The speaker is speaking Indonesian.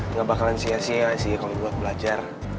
nggak bakalan sia sia sih kalau buat belajar